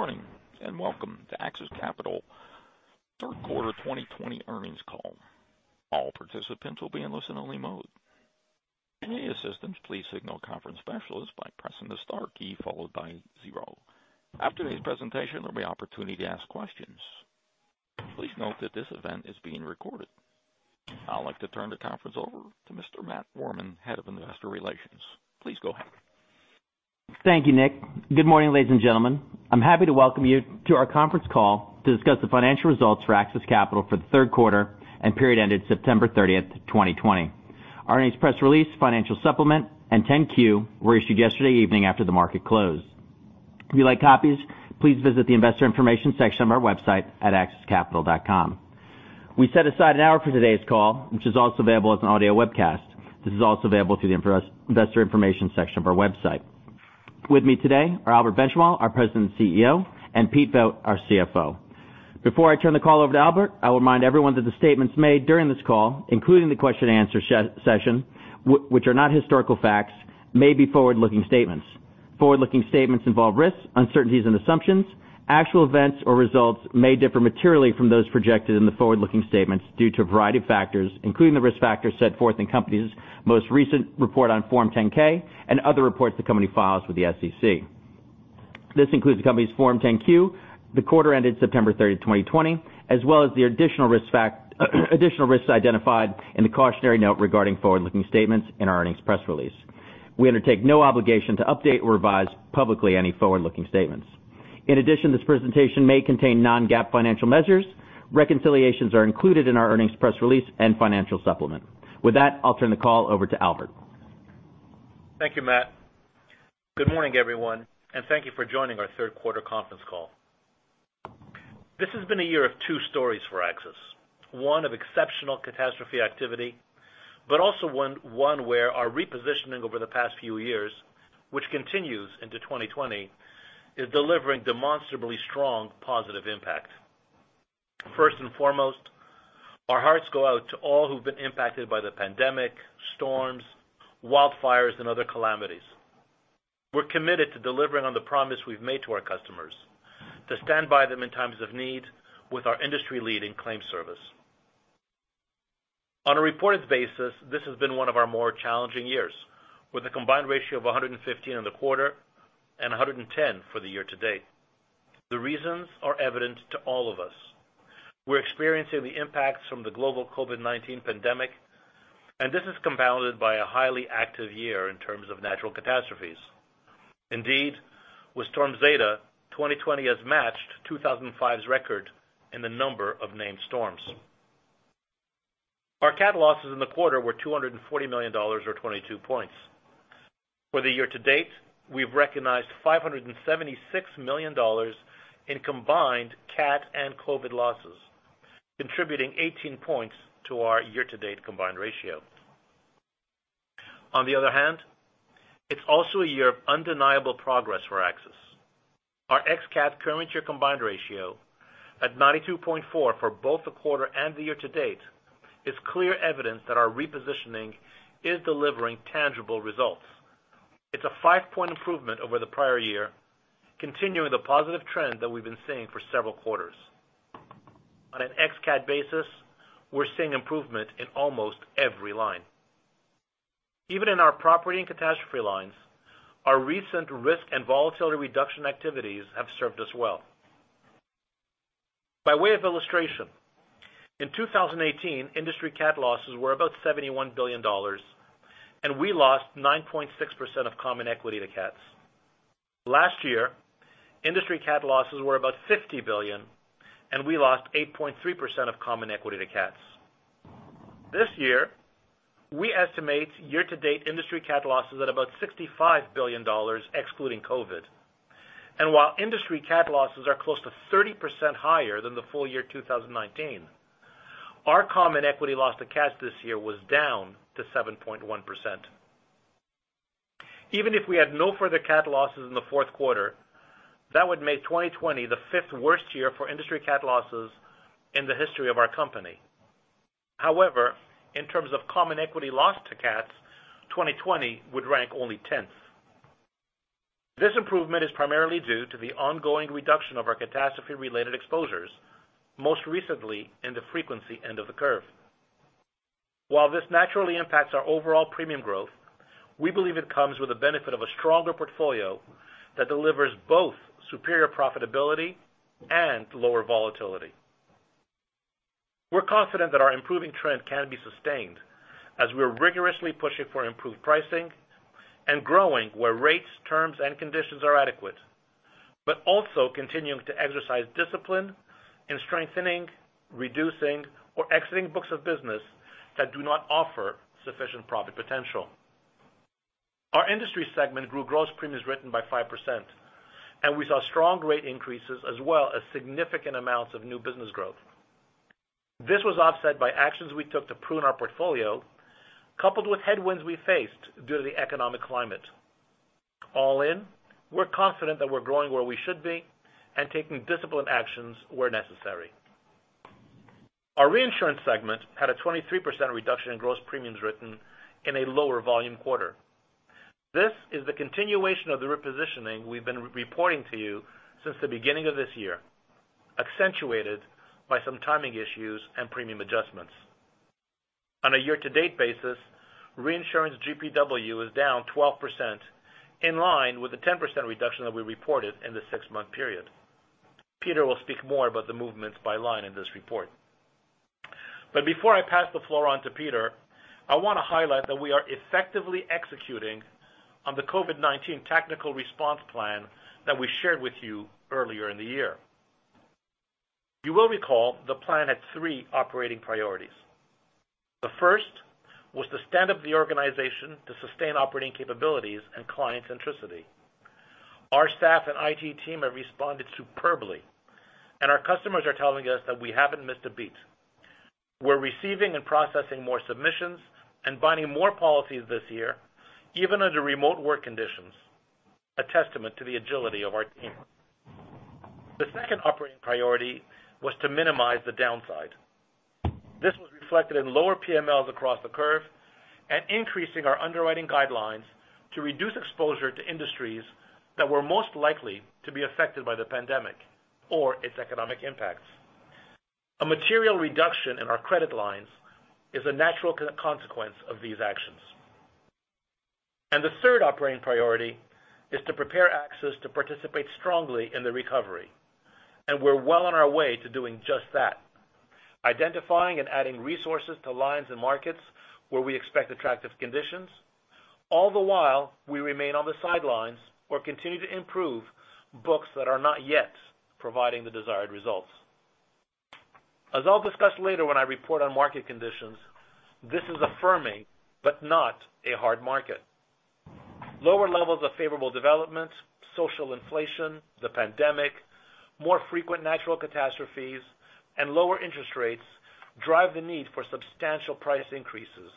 Good morning. Welcome to AXIS Capital third quarter 2020 earnings call. All participants will be in listen-only mode. If you need assistance, please signal a conference specialist by pressing the star key followed by 0. After today's presentation, there'll be opportunity to ask questions. Please note that this event is being recorded. I'd like to turn the conference over to Mr. Matt Rohrmann, Head of Investor Relations. Please go ahead. Thank you, Nick. Good morning, ladies and gentlemen. I'm happy to welcome you to our conference call to discuss the financial results for AXIS Capital for the third quarter and period ending September 30th, 2020. Our earnings press release, financial supplement, and 10-Q were issued yesterday evening after the market closed. If you'd like copies, please visit the investor information section of our website at axiscapital.com. We set aside one hour for today's call, which is also available as an audio webcast. This is also available through the investor information section of our website. With me today are Albert Benchimol, our President and CEO, and Pete Vogt, our CFO. Before I turn the call over to Albert, I will remind everyone that the statements made during this call, including the question and answer session, which are not historical facts, may be forward-looking statements. Forward-looking statements involve risks, uncertainties, and assumptions. Actual events or results may differ materially from those projected in the forward-looking statements due to a variety of factors, including the risk factors set forth in the company's most recent report on Form 10-K and other reports the company files with the SEC. This includes the company's Form 10-Q, the quarter ending September 30, 2020, as well as the additional risks identified in the cautionary note regarding forward-looking statements in our earnings press release. We undertake no obligation to update or revise publicly any forward-looking statements. In addition, this presentation may contain non-GAAP financial measures. Reconciliations are included in our earnings press release and financial supplement. With that, I'll turn the call over to Albert. Thank you, Matt. Good morning, everyone. Thank you for joining our third quarter conference call. This has been a year of two stories for AXIS. One of exceptional catastrophe activity, but also one where our repositioning over the past few years, which continues into 2020, is delivering demonstrably strong positive impact. First and foremost, our hearts go out to all who've been impacted by the pandemic, storms, wildfires, and other calamities. We're committed to delivering on the promise we've made to our customers to stand by them in times of need with our industry-leading claim service. On a reported basis, this has been one of our more challenging years, with a combined ratio of 115 in the quarter and 110 for the year to date. The reasons are evident to all of us. We're experiencing the impacts from the global COVID-19 pandemic. This is compounded by a highly active year in terms of natural catastrophes. Indeed, with Hurricane Zeta, 2020 has matched 2005's record in the number of named storms. Our cat losses in the quarter were $240 million, or 22 points. For the year to date, we've recognized $576 million in combined cat and COVID losses, contributing 18 points to our year-to-date combined ratio. On the other hand, it's also a year of undeniable progress for AXIS. Our ex-cat current year combined ratio at 92.4 for both the quarter and the year to date is clear evidence that our repositioning is delivering tangible results. It's a five-point improvement over the prior year, continuing the positive trend that we've been seeing for several quarters. On an ex-cat basis, we're seeing improvement in almost every line. Even in our property and catastrophe lines, our recent risk and volatility reduction activities have served us well. By way of illustration, in 2018, industry cat losses were about $71 billion, and we lost 9.6% of common equity to cats. Last year, industry cat losses were about $50 billion, and we lost 8.3% of common equity to cats. This year, we estimate year-to-date industry cat losses at about $65 billion, excluding COVID. While industry cat losses are close to 30% higher than the full year 2019, our common equity loss to cats this year was down to 7.1%. Even if we had no further cat losses in the fourth quarter, that would make 2020 the fifth worst year for industry cat losses in the history of our company. However, in terms of common equity loss to cats, 2020 would rank only 10th. This improvement is primarily due to the ongoing reduction of our catastrophe-related exposures, most recently in the frequency end of the curve. While this naturally impacts our overall premium growth, we believe it comes with the benefit of a stronger portfolio that delivers both superior profitability and lower volatility. We're confident that our improving trend can be sustained as we're rigorously pushing for improved pricing and growing where rates, terms, and conditions are adequate, but also continuing to exercise discipline in strengthening, reducing, or exiting books of business that do not offer sufficient profit potential. Our industry segment grew gross premiums written by 5%, and we saw strong rate increases as well as significant amounts of new business growth. This was offset by actions we took to prune our portfolio, coupled with headwinds we faced due to the economic climate. All in, we're confident that we're growing where we should be and taking disciplined actions where necessary. Our reinsurance segment had a 23% reduction in gross premiums written in a lower volume quarter. This is the continuation of the repositioning we've been reporting to you since the beginning of this year, accentuated by some timing issues and premium adjustments. On a year-to-date basis, reinsurance GPW is down 12%, in line with the 10% reduction that we reported in the six-month period. Peter will speak more about the movements by line in this report. Before I pass the floor on to Peter, I want to highlight that we are effectively executing on the COVID-19 technical response plan that we shared with you earlier in the year. You will recall the plan had three operating priorities. The first was to stand up the organization to sustain operating capabilities and client centricity. Our staff and IT team have responded superbly. Our customers are telling us that we haven't missed a beat. We're receiving and processing more submissions and binding more policies this year, even under remote work conditions, a testament to the agility of our team. The second operating priority was to minimize the downside. This was reflected in lower PMLs across the curve and increasing our underwriting guidelines to reduce exposure to industries that were most likely to be affected by the pandemic or its economic impacts. A material reduction in our credit lines is a natural consequence of these actions. The third operating priority is to prepare AXIS to participate strongly in the recovery, and we're well on our way to doing just that. Identifying and adding resources to lines and markets where we expect attractive conditions, all the while we remain on the sidelines or continue to improve books that are not yet providing the desired results. As I'll discuss later when I report on market conditions, this is a firming but not a hard market. Lower levels of favorable development, social inflation, the pandemic, more frequent natural catastrophes, and lower interest rates drive the need for substantial price increases.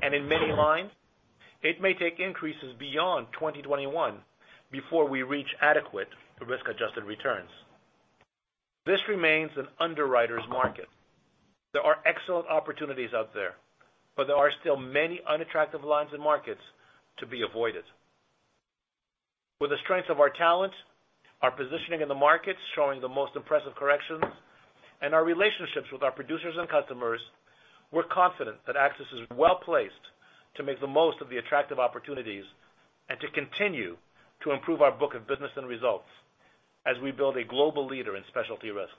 In many lines, it may take increases beyond 2021 before we reach adequate risk-adjusted returns. This remains an underwriter's market. There are excellent opportunities out there, but there are still many unattractive lines and markets to be avoided. With the strength of our talent, our positioning in the markets showing the most impressive corrections, and our relationships with our producers and customers, we're confident that AXIS is well-placed to make the most of the attractive opportunities and to continue to improve our book of business and results as we build a global leader in specialty risks.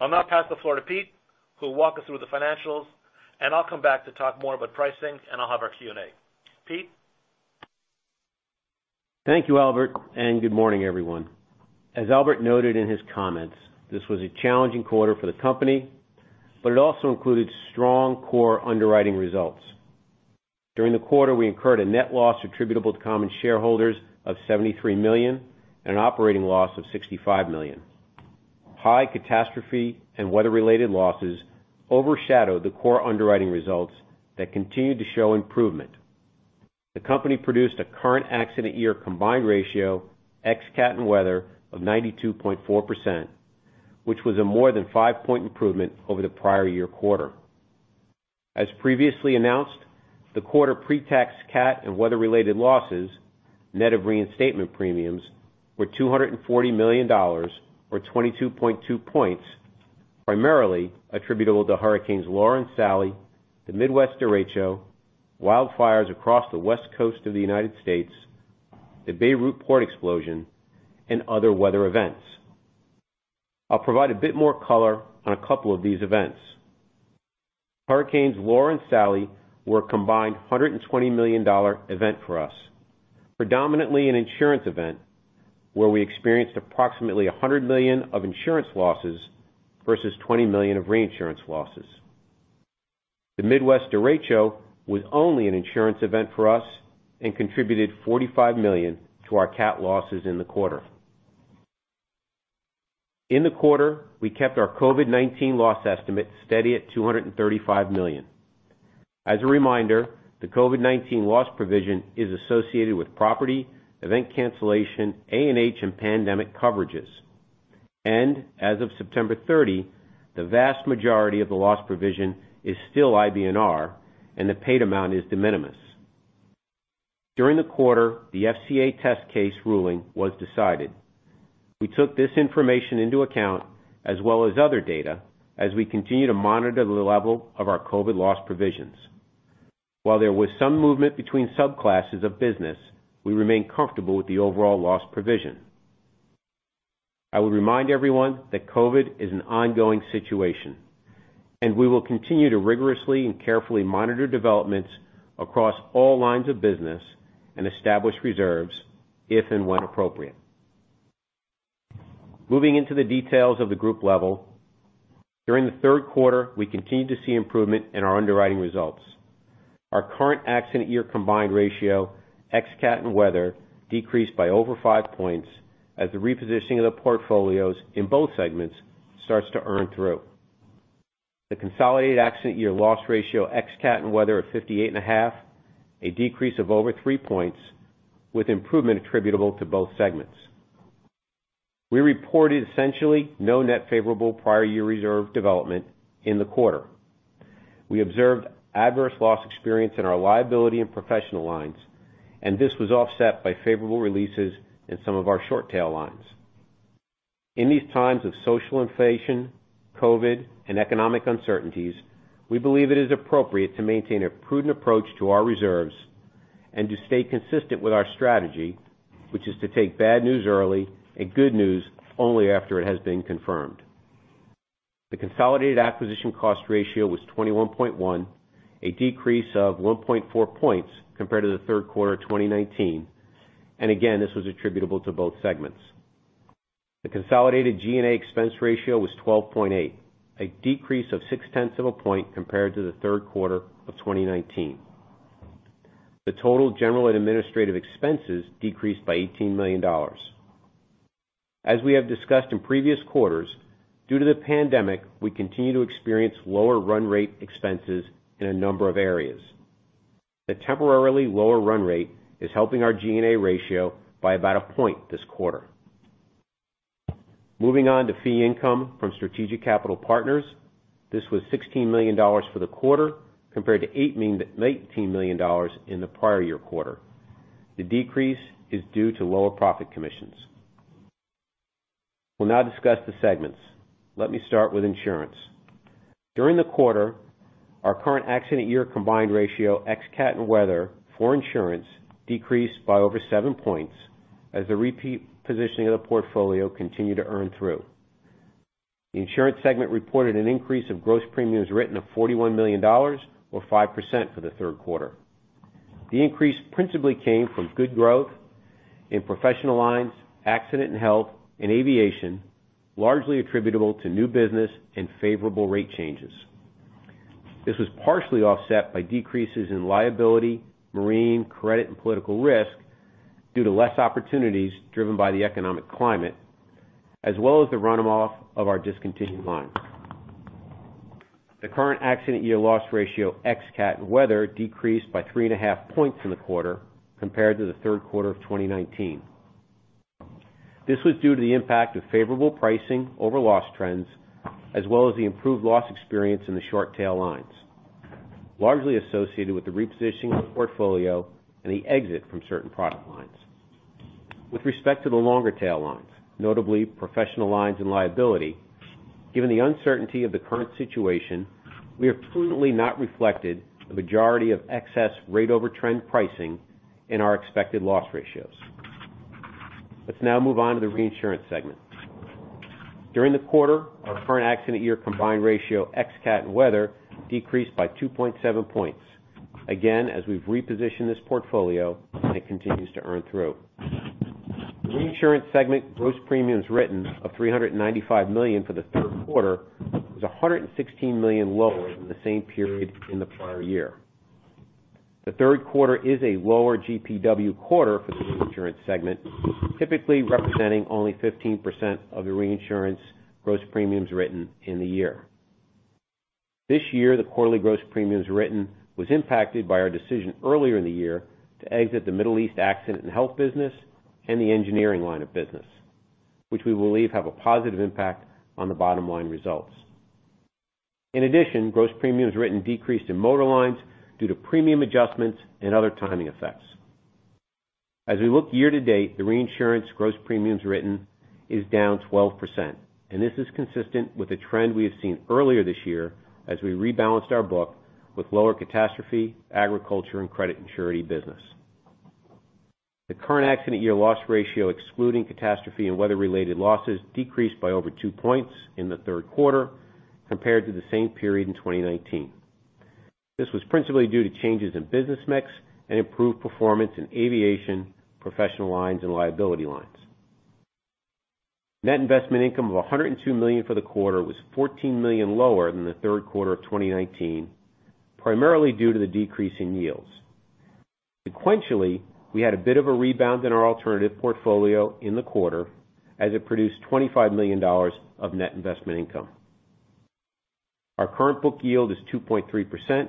I'll now pass the floor to Pete, who will walk us through the financials, and I'll come back to talk more about pricing, and I'll have our Q&A. Pete? Thank you, Albert, and good morning, everyone. As Albert noted in his comments, this was a challenging quarter for the company, but it also included strong core underwriting results. During the quarter, we incurred a net loss attributable to common shareholders of $73 million and an operating loss of $65 million. High catastrophe and weather-related losses overshadowed the core underwriting results that continued to show improvement. The company produced a current accident year combined ratio, ex cat and weather, of 92.4%, which was a more than five-point improvement over the prior year quarter. As previously announced, the quarter pre-tax cat and weather-related losses, net of reinstatement premiums, were $240 million or 22.2 points, primarily attributable to Hurricanes Laura and Sally, the Midwest derecho, wildfires across the West Coast of the U.S., the Beirut port explosion, and other weather events. I'll provide a bit more color on a couple of these events. Hurricanes Laura and Sally were a combined $120 million event for us, predominantly an insurance event where we experienced approximately $100 million of insurance losses versus $20 million of reinsurance losses. The Midwest derecho was only an reinsurance event for us and contributed $45 million to our cat losses in the quarter. In the quarter, we kept our COVID-19 loss estimate steady at $235 million. As a reminder, the COVID-19 loss provision is associated with property, event cancellation, A&H, and pandemic coverages. As of September 30, the vast majority of the loss provision is still IBNR, and the paid amount is de minimis. During the quarter, the FCA test case ruling was decided. We took this information into account, as well as other data, as we continue to monitor the level of our COVID loss provisions. While there was some movement between subclasses of business, we remain comfortable with the overall loss provision. I would remind everyone that COVID is an ongoing situation, and we will continue to rigorously and carefully monitor developments across all lines of business and establish reserves if and when appropriate. Moving into the details of the group level. During the third quarter, we continued to see improvement in our underwriting results. Our current accident year combined ratio, ex cat and weather, decreased by over five points as the repositioning of the portfolios in both segments starts to earn through. The consolidated accident year loss ratio, ex cat and weather of 58.5, a decrease of over three points with improvement attributable to both segments. We reported essentially no net favorable prior year reserve development in the quarter. We observed adverse loss experience in our liability and professional lines, and this was offset by favorable releases in some of our short-tail lines. In these times of social inflation, COVID, and economic uncertainties, we believe it is appropriate to maintain a prudent approach to our reserves and to stay consistent with our strategy, which is to take bad news early and good news only after it has been confirmed. The consolidated acquisition cost ratio was 21.1, a decrease of 1.4 points compared to the third quarter of 2019. Again, this was attributable to both segments. The consolidated G&A expense ratio was 12.8, a decrease of six tenths of a point compared to the third quarter of 2019. The total general and administrative expenses decreased by $18 million. As we have discussed in previous quarters, due to the pandemic, we continue to experience lower run rate expenses in a number of areas. The temporarily lower run rate is helping our G&A ratio by about a point this quarter. Moving on to fee income from Strategic Capital Partners. This was $16 million for the quarter compared to $18 million in the prior year quarter. The decrease is due to lower profit commissions. We'll now discuss the segments. Let me start with insurance. During the quarter, our current accident year combined ratio, ex cat and weather for insurance decreased by over seven points as the repeat positioning of the portfolio continued to earn through. The insurance segment reported an increase of gross premiums written of $41 million or 5% for the third quarter. The increase principally came from good growth in professional lines, accident and health, and aviation, largely attributable to new business and favorable rate changes. This was partially offset by decreases in liability, marine credit and political risk due to less opportunities driven by the economic climate as well as the run-off of our discontinued lines. The current accident year loss ratio, ex cat and weather decreased by three and a half points in the quarter compared to the third quarter of 2019. This was due to the impact of favorable pricing over loss trends, as well as the improved loss experience in the short-tail lines, largely associated with the repositioning of the portfolio and the exit from certain product lines. With respect to the longer tail lines, notably professional lines and liability, given the uncertainty of the current situation, we have prudently not reflected the majority of excess rate over trend pricing in our expected loss ratios. Let's now move on to the reinsurance segment. During the quarter, our current accident year combined ratio, ex cat and weather decreased by 2.7 points. Again, as we've repositioned this portfolio, and it continues to earn through. Reinsurance segment gross premiums written of $395 million for the third quarter was $116 million lower than the same period in the prior year. The third quarter is a lower GPW quarter for the reinsurance segment, typically representing only 15% of the reinsurance gross premiums written in the year. This year, the quarterly gross premiums written was impacted by our decision earlier in the year to exit the Middle East accident and health business and the engineering line of business, which we believe have a positive impact on the bottom-line results. In addition, gross premiums written decreased in motor lines due to premium adjustments and other timing effects. As we look year to date, the reinsurance gross premiums written is down 12% and this is consistent with the trend we have seen earlier this year as we rebalanced our book with lower catastrophe, agriculture, and credit and surety business. The current accident year loss ratio excluding catastrophe and weather-related losses decreased by over two points in the third quarter compared to the same period in 2019. This was principally due to changes in business mix and improved performance in aviation, professional lines, and liability lines. Net investment income of $102 million for the quarter was $14 million lower than the third quarter of 2019, primarily due to the decrease in yields. Sequentially, we had a bit of a rebound in our alternative portfolio in the quarter as it produced $25 million of net investment income. Our current book yield is 2.3%,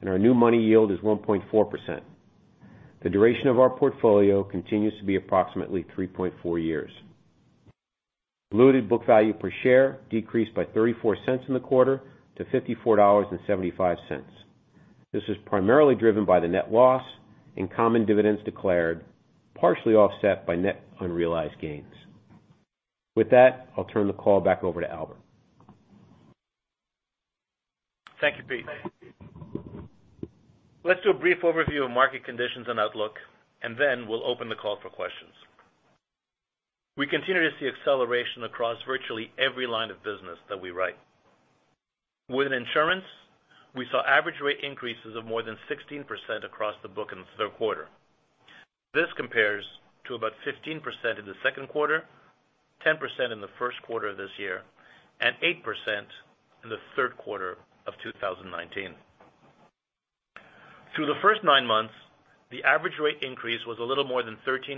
and our new money yield is 1.4%. The duration of our portfolio continues to be approximately 3.4 years. Diluted book value per share decreased by $0.34 in the quarter to $54.75. This is primarily driven by the net loss and common dividends declared, partially offset by net unrealized gains. With that, I'll turn the call back over to Albert. Thank you, Pete. Let's do a brief overview of market conditions and outlook. Then we'll open the call for questions. We continue to see acceleration across virtually every line of business that we write. Within insurance, we saw average rate increases of more than 16% across the book in the third quarter. This compares to about 15% in the second quarter, 10% in the first quarter of this year, and 8% in the third quarter of 2019. Through the first nine months, the average rate increase was a little more than 13%.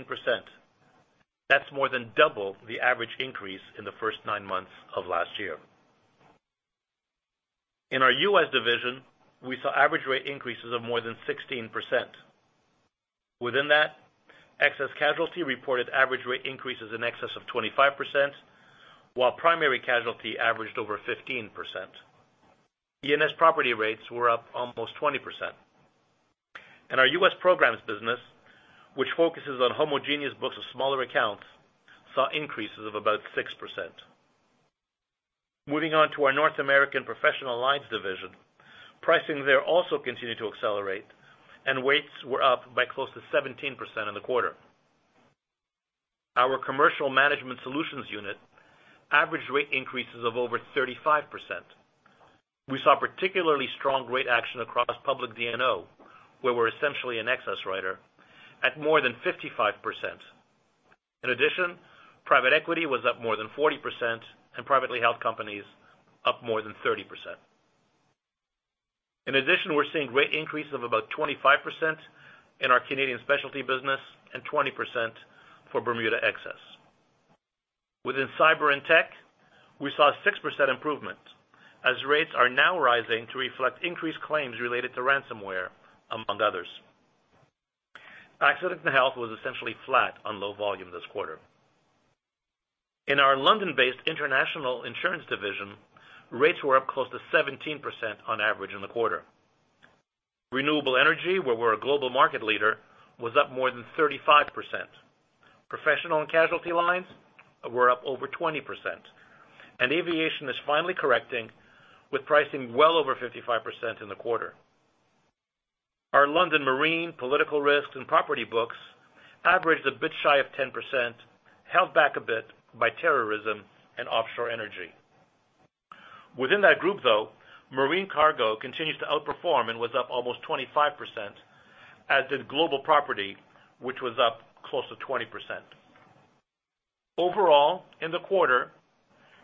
That's more than double the average increase in the first nine months of last year. In our U.S. division, we saw average rate increases of more than 16%. Within that, excess casualty reported average rate increases in excess of 25%, while primary casualty averaged over 15%. E&S property rates were up almost 20%. In our U.S. programs business, which focuses on homogeneous books of smaller accounts, saw increases of about 6%. Moving on to our North American professional lines division, pricing there also continued to accelerate. Rates were up by close to 17% in the quarter. Our Commercial Management Solutions unit, average rate increases of over 35%. We saw particularly strong rate action across public D&O, where we're essentially an excess writer, at more than 55%. In addition, private equity was up more than 40% and privately held companies up more than 30%. In addition, we're seeing rate increase of about 25% in our Canadian specialty business and 20% for Bermuda excess. Within cyber and tech, we saw a 6% improvement as rates are now rising to reflect increased claims related to ransomware, among others. Accident and health was essentially flat on low volume this quarter. In our London-based international insurance division, rates were up close to 17% on average in the quarter. Renewable energy, where we're a global market leader, was up more than 35%. Professional and casualty lines were up over 20%. Aviation is finally correcting with pricing well over 55% in the quarter. Our London marine, political risk, and property books averaged a bit shy of 10%, held back a bit by terrorism and offshore energy. Within that group, though, marine cargo continues to outperform and was up almost 25%, as did global property, which was up close to 20%. Overall, in the quarter,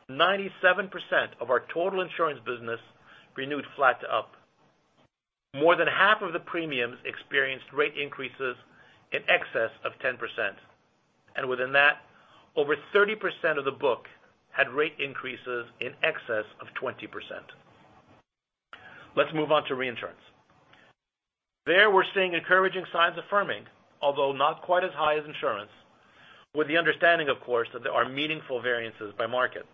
97% of our total insurance business renewed flat to up. More than half of the premiums experienced rate increases in excess of 10%. Within that, over 30% of the book had rate increases in excess of 20%. Let's move on to reinsurance. There, we're seeing encouraging signs of firming, although not quite as high as insurance, with the understanding, of course, that there are meaningful variances by market.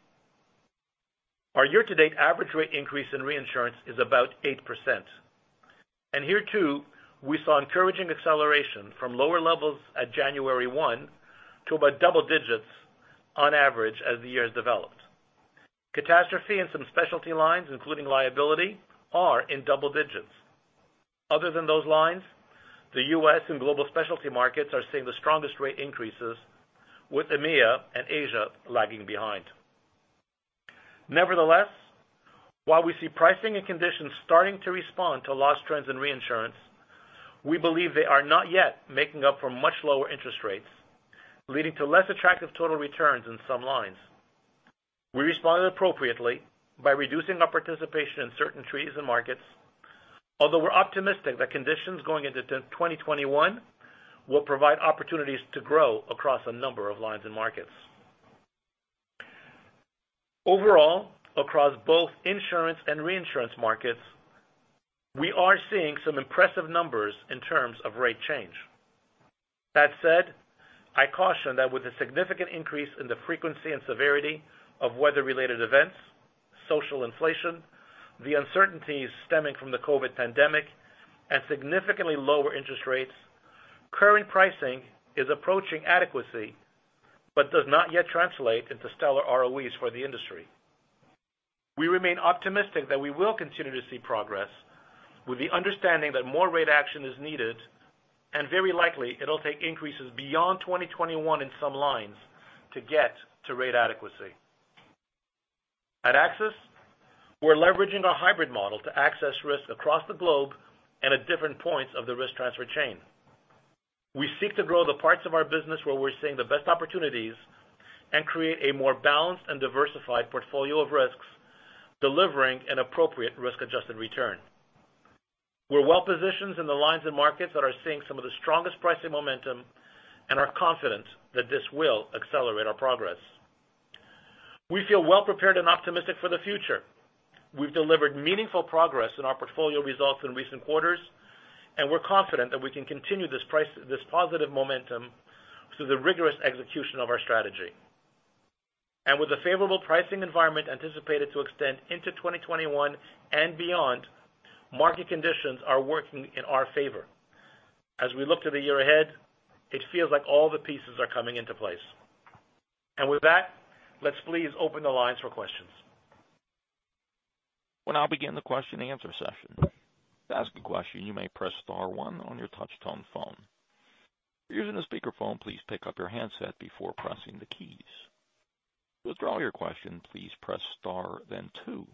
Our year-to-date average rate increase in reinsurance is about 8%. Here too, we saw encouraging acceleration from lower levels at January 1 to about double digits on average as the years developed. Catastrophe and some specialty lines, including liability, are in double digits. Other than those lines, the U.S. and global specialty markets are seeing the strongest rate increases, with EMEA and Asia lagging behind. Nevertheless, while we see pricing and conditions starting to respond to loss trends and reinsurance, we believe they are not yet making up for much lower interest rates, leading to less attractive total returns in some lines. We responded appropriately by reducing our participation in certain treaties and markets, although we're optimistic that conditions going into 2021 will provide opportunities to grow across a number of lines and markets. Overall, across both insurance and reinsurance markets, we are seeing some impressive numbers in terms of rate change. That said, I caution that with a significant increase in the frequency and severity of weather-related events, social inflation, the uncertainties stemming from the COVID-19 pandemic, and significantly lower interest rates, current pricing is approaching adequacy but does not yet translate into stellar ROEs for the industry. We remain optimistic that we will continue to see progress with the understanding that more rate action is needed and very likely it'll take increases beyond 2021 in some lines to get to rate adequacy. At AXIS, we're leveraging our hybrid model to access risk across the globe and at different points of the risk transfer chain. We seek to grow the parts of our business where we're seeing the best opportunities and create a more balanced and diversified portfolio of risks, delivering an appropriate risk-adjusted return. We're well positioned in the lines and markets that are seeing some of the strongest pricing momentum and are confident that this will accelerate our progress. We feel well prepared and optimistic for the future. We've delivered meaningful progress in our portfolio results in recent quarters, and we're confident that we can continue this positive momentum through the rigorous execution of our strategy. With a favorable pricing environment anticipated to extend into 2021 and beyond, market conditions are working in our favor. As we look to the year ahead, it feels like all the pieces are coming into place. With that, let's please open the lines for questions. We'll now begin the question and answer session. To ask a question, you may press star one on your touch-tone phone. If you're using a speakerphone, please pick up your handset before pressing the keys. To withdraw your question, please press star, then two.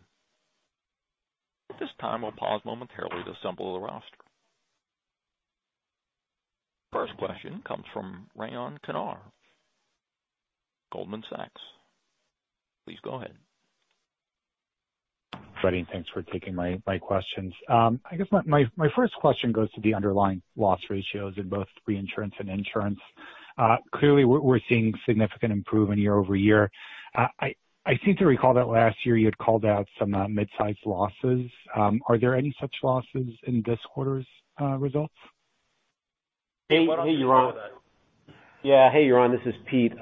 At this time, we'll pause momentarily to assemble the roster. First question comes from Ryan Tunis, Goldman Sachs. Please go ahead. Freddie, thanks for taking my questions. I guess my first question goes to the underlying loss ratios in both reinsurance and insurance. Clearly, we're seeing significant improvement year-over-year. I seem to recall that last year you had called out some mid-size losses. Are there any such losses in this quarter's results? Hey, Ryan. Yeah. Hey, Ryan, this is Pete.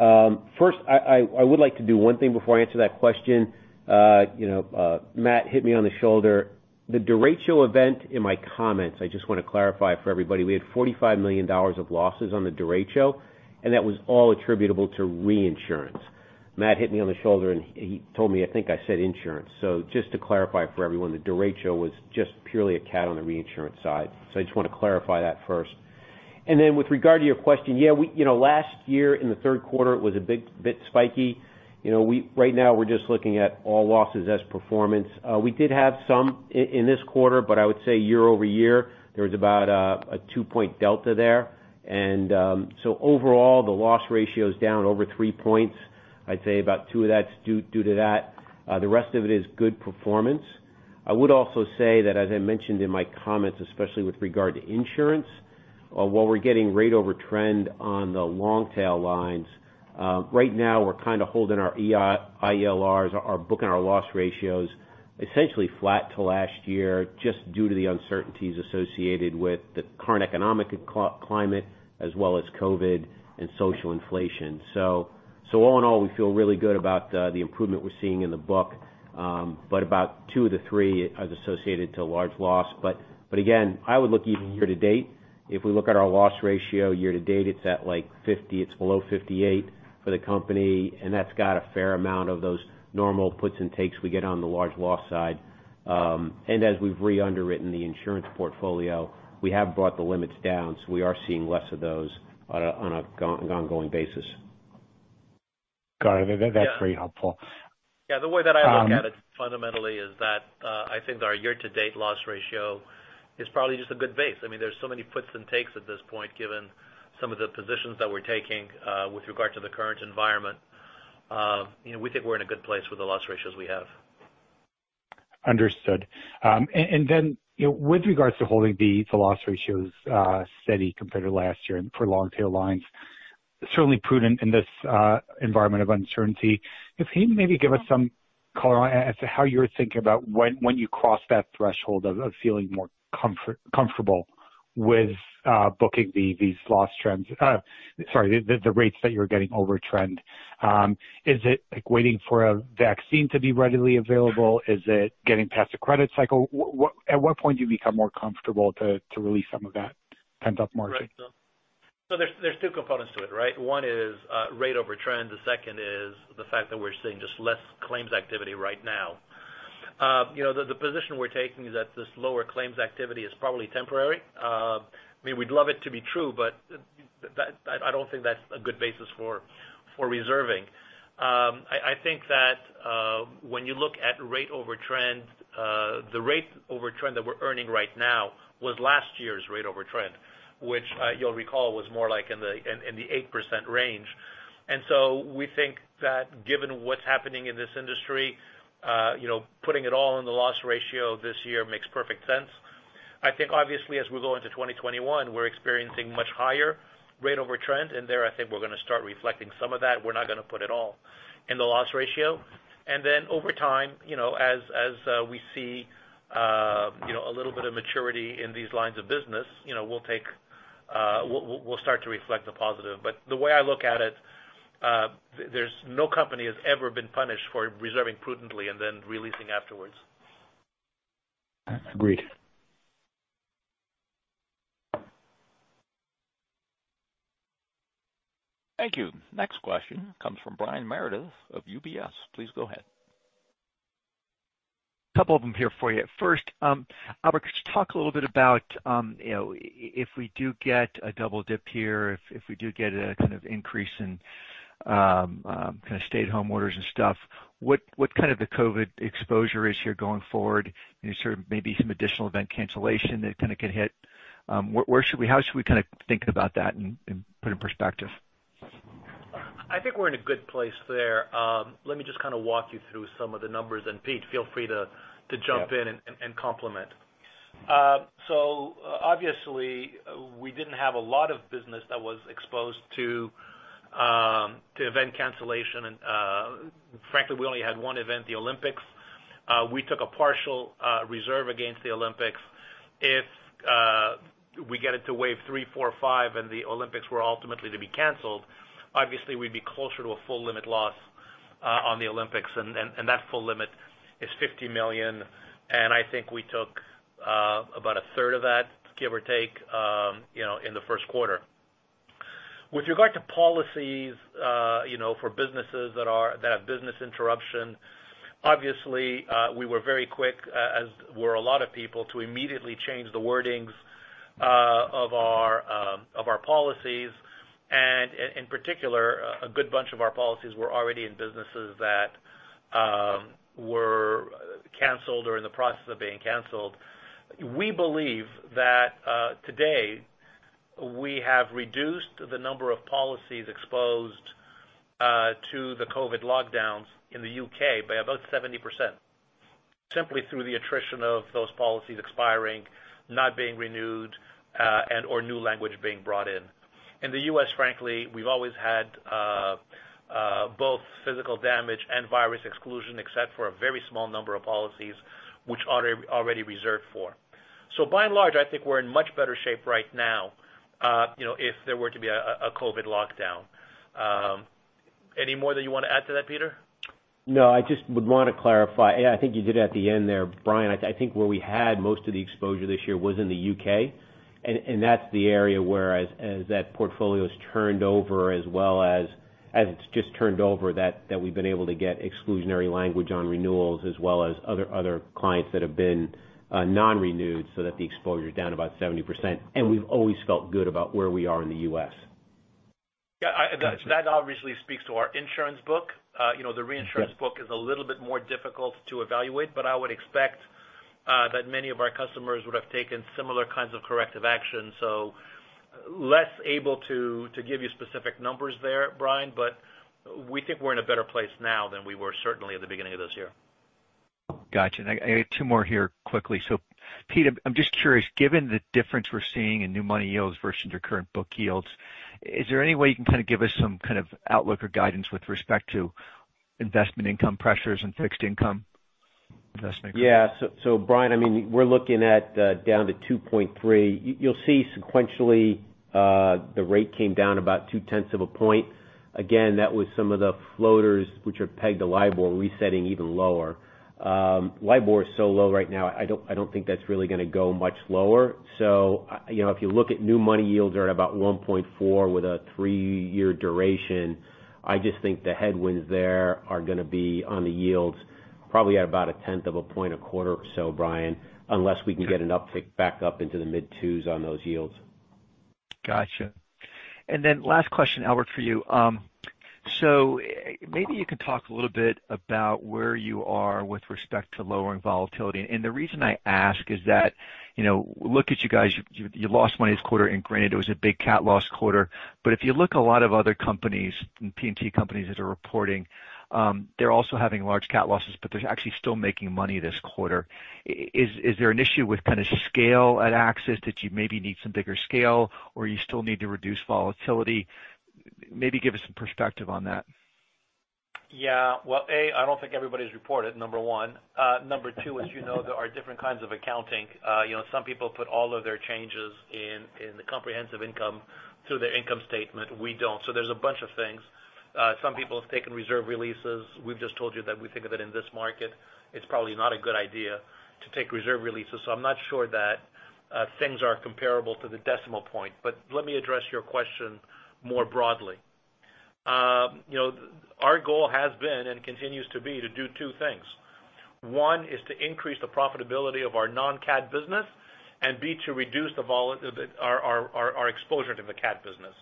First, I would like to do one thing before I answer that question. Matt hit me on the shoulder. The derecho event in my comments, I just want to clarify for everybody, we had $45 million of losses on the derecho, and that was all attributable to reinsurance. Matt hit me on the shoulder, and he told me, I think I said insurance. Just to clarify for everyone, the derecho was just purely a cat on the reinsurance side. I just want to clarify that first. Then with regard to your question, yeah, last year in the third quarter, it was a bit spiky. Right now we're just looking at all losses as performance. We did have some in this quarter, but I would say year-over-year, there was about a two-point delta there. Overall, the loss ratio is down over three points. I'd say about two of that's due to that. The rest of it is good performance. I would also say that, as I mentioned in my comments, especially with regard to insurance, while we're getting rate over trend on the long tail lines, right now we're kind of holding our IELRs, our book and our loss ratios, essentially flat to last year, just due to the uncertainties associated with the current economic climate as well as COVID and social inflation. All in all, we feel really good about the improvement we're seeing in the book. About two of the three are associated to a large loss. Again, I would look even year to date. If we look at our loss ratio year to date, it's at like 50, it's below 58 for the company, and that's got a fair amount of those normal puts and takes we get on the large loss side. As we've re-underwritten the insurance portfolio, we have brought the limits down, so we are seeing less of those on an ongoing basis. Got it. That's very helpful. Yeah. The way that I look at it fundamentally is that, I think our year-to-date loss ratio is probably just a good base. There's so many puts and takes at this point, given some of the positions that we're taking with regard to the current environment. We think we're in a good place with the loss ratios we have. Understood. With regards to holding the loss ratios steady compared to last year and for long tail lines, certainly prudent in this environment of uncertainty. If you can maybe give us some color as to how you're thinking about when you cross that threshold of feeling more comfortable with booking these loss trends. Sorry, the rates that you're getting over trend. Is it like waiting for a vaccine to be readily available? Is it getting past the credit cycle? At what point do you become more comfortable to release some of that pent-up margin? There's two components to it, right? One is rate over trend. The second is the fact that we're seeing just less claims activity right now. The position we're taking is that this lower claims activity is probably temporary. We'd love it to be true, but I don't think that's a good basis for reserving. I think that when you look at rate over trend, the rate over trend that we're earning right now was last year's rate over trend, which you'll recall was more like in the 8% range. We think that given what's happening in this industry, putting it all in the loss ratio this year makes perfect sense. I think obviously as we go into 2021, we're experiencing much higher rate over trend, and there I think we're going to start reflecting some of that. We're not going to put it all in the loss ratio. Over time, as we see a little bit of maturity in these lines of business, we'll start to reflect the positive. The way I look at it, there's no company has ever been punished for reserving prudently and then releasing afterwards. Agreed. Thank you. Next question comes from Brian Meredith of UBS. Please go ahead. A couple of them here for you. First, Albert, could you talk a little bit about if we do get a double dip here, if we do get a kind of increase in stay-at-home orders and stuff, what kind of the COVID exposure is here going forward, and sort of maybe some additional event cancellation that kind of can hit? How should we kind of think about that and put in perspective? I think we're in a good place there. Let me just kind of walk you through some of the numbers, and Pete, feel free to jump in and complement. Obviously we didn't have a lot of business that was exposed to event cancellation, and frankly, we only had one event, the Olympics. We took a partial reserve against the Olympics. If we get it to wave 3, 4, 5, and the Olympics were ultimately to be canceled, obviously we'd be closer to a full limit loss on the Olympics. That full limit is $50 million. I think we took about a third of that, give or take, in the first quarter. With regard to policies for businesses that have business interruption, obviously, we were very quick, as were a lot of people, to immediately change the wordings of our policies. In particular, a good bunch of our policies were already in businesses that were Cancelled or in the process of being cancelled. We believe that today we have reduced the number of policies exposed to the COVID lockdowns in the U.K. by about 70%, simply through the attrition of those policies expiring, not being renewed, and/or new language being brought in. In the U.S., frankly, we've always had both physical damage and virus exclusion, except for a very small number of policies which are already reserved for. By and large, I think we're in much better shape right now, if there were to be a COVID lockdown. Any more that you want to add to that, Pete? No, I just would want to clarify, I think you did at the end there, Brian. I think where we had most of the exposure this year was in the U.K., and that's the area where as that portfolio's turned over, as well as it's just turned over, that we've been able to get exclusionary language on renewals as well as other clients that have been non-renewed so that the exposure is down about 70%. We've always felt good about where we are in the U.S. Yeah. That obviously speaks to our insurance book. The reinsurance book is a little bit more difficult to evaluate, but I would expect that many of our customers would have taken similar kinds of corrective action. Less able to give you specific numbers there, Brian, but we think we're in a better place now than we were certainly at the beginning of this year. Got you. I got two more here quickly. Pete, I'm just curious, given the difference we're seeing in new money yields versus your current book yields, is there any way you can kind of give us some kind of outlook or guidance with respect to investment income pressures and fixed income investing? Yeah. Brian, we're looking at down to 2.3. You'll see sequentially, the rate came down about 0.2 of a point. Again, that was some of the floaters which are pegged to LIBOR resetting even lower. LIBOR is so low right now, I don't think that's really going to go much lower. If you look at new money yields are at about 1.4 with a 3-year duration. I just think the headwinds there are going to be on the yields probably at about 0.1 of a point, 0.25 or so, Brian, unless we can get an uptick back up into the mid 2s on those yields. Got you. Then last question, Albert, for you. Maybe you could talk a little bit about where you are with respect to lowering volatility. The reason I ask is that, look at you guys, you lost money this quarter, and granted it was a big CAT loss quarter, but if you look a lot of other companies, P&C companies that are reporting, they're also having large CAT losses, but they're actually still making money this quarter. Is there an issue with kind of scale at AXIS that you maybe need some bigger scale or you still need to reduce volatility? Maybe give us some perspective on that. Yeah. A, I don't think everybody's reported, number 1. Number 2, as you know, there are different kinds of accounting. Some people put all of their changes in the comprehensive income through their income statement. We don't. There's a bunch of things. Some people have taken reserve releases. We've just told you that we think of it in this market, it's probably not a good idea to take reserve releases. I'm not sure that things are comparable to the decimal point. Let me address your question more broadly. Our goal has been and continues to be to do 2 things. One is to increase the profitability of our non-CAT business, and B, to reduce our exposure to the CAT business.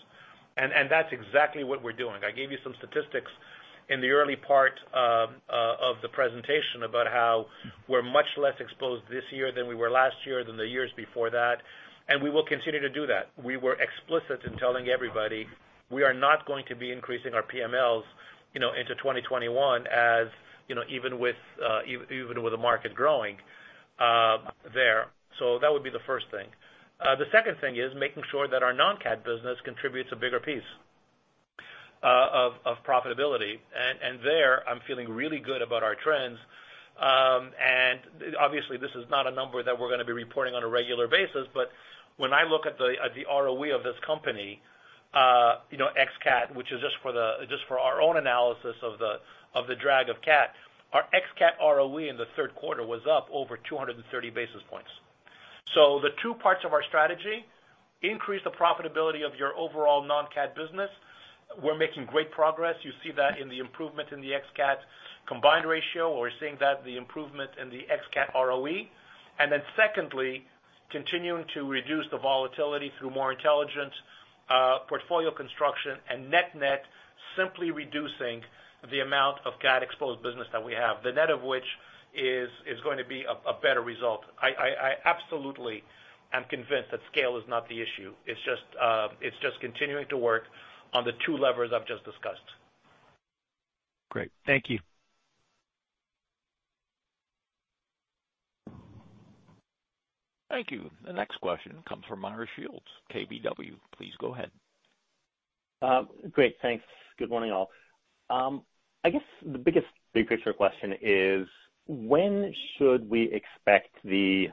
That's exactly what we're doing. I gave you some statistics in the early part of the presentation about how we're much less exposed this year than we were last year than the years before that. We will continue to do that. We were explicit in telling everybody we are not going to be increasing our PMLs into 2021 as even with the market growing there. That would be the first thing. The second thing is making sure that our non-CAT business contributes a bigger piece of profitability. There, I'm feeling really good about our trends. Obviously this is not a number that we're going to be reporting on a regular basis, but when I look at the ROE of this company, ex-CAT, which is just for our own analysis of the drag of CAT, our ex-CAT ROE in the third quarter was up over 230 basis points. The two parts of our strategy, increase the profitability of your overall non-CAT business. We're making great progress. You see that in the improvement in the ex-CAT combined ratio. We're seeing that the improvement in the ex-CAT ROE. Secondly, continuing to reduce the volatility through more intelligent portfolio construction and net net, simply reducing the amount of CAT-exposed business that we have, the net of which is going to be a better result. I absolutely am convinced that scale is not the issue. It's just continuing to work on the two levers I've just discussed. Great. Thank you. Thank you. The next question comes from Meyer Shields, KBW. Please go ahead. Great. Thanks. Good morning, Al. I guess the biggest big picture question is when should we expect the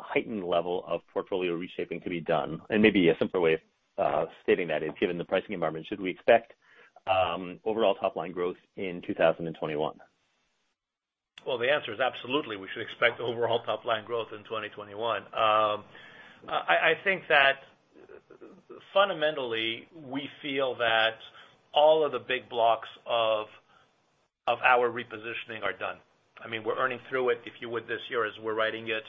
heightened level of portfolio reshaping to be done? Maybe a simpler way of stating that is given the pricing environment, should we expect overall top-line growth in 2021? Well, the answer is absolutely, we should expect overall top-line growth in 2021. I think that fundamentally we feel that all of the big blocks of our repositioning are done. We're earning through it, if you would, this year as we're writing it,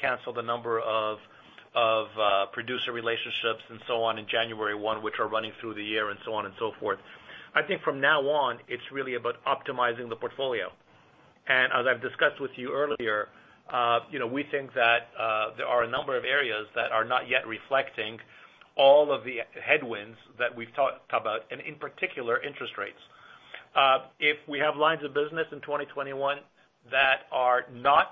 cancel the number of Of producer relationships and so on in January 1, which are running through the year and so on and so forth. I think from now on, it's really about optimizing the portfolio. As I've discussed with you earlier, we think that there are a number of areas that are not yet reflecting all of the headwinds that we've talked about, and in particular, interest rates. If we have lines of business in 2021 that are not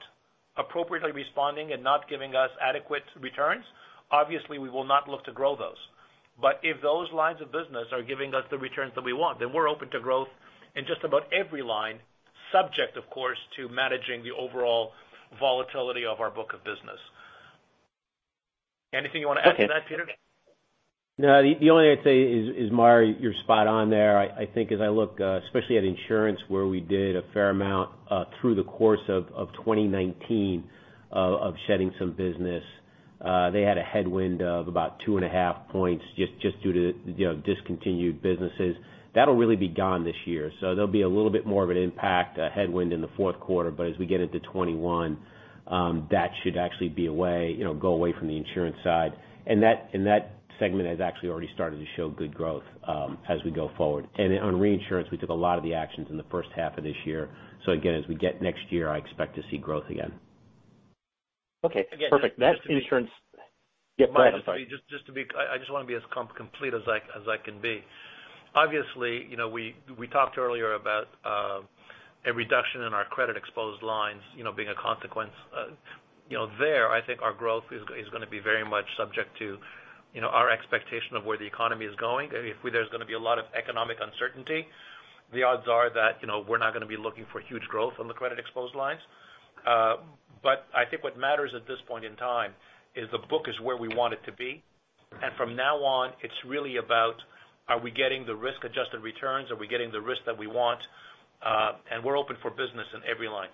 appropriately responding and not giving us adequate returns, obviously we will not look to grow those. If those lines of business are giving us the returns that we want, then we're open to growth in just about every line, subject, of course, to managing the overall volatility of our book of business. Anything you want to add to that, Pete? No, the only thing I'd say is, Meyer, you're spot on there. I think as I look, especially at insurance, where we did a fair amount through the course of 2019 of shedding some business. They had a headwind of about two and a half points just due to discontinued businesses. That will really be gone this year. There will be a little bit more of an impact, a headwind in the fourth quarter, but as we get into 2021, that should actually go away from the insurance side. That segment has actually already started to show good growth as we go forward. On reinsurance, we took a lot of the actions in the first half of this year. Again, as we get next year, I expect to see growth again. Okay, perfect. Yeah, go ahead. I'm sorry. I just want to be as complete as I can be. Obviously, we talked earlier about a reduction in our credit exposed lines being a consequence. There, I think our growth is going to be very much subject to our expectation of where the economy is going. If there's going to be a lot of economic uncertainty, the odds are that we're not going to be looking for huge growth on the credit exposed lines. I think what matters at this point in time is the book is where we want it to be. From now on, it's really about, are we getting the risk-adjusted returns? Are we getting the risk that we want? We're open for business in every line.